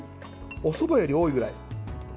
おそばより多いぐらい。